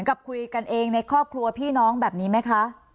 กับคุยกันเองในครอบครัวพี่น้องแบบนี้ไหมคะ